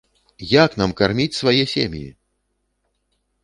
Як нам карміць свае сем'і?!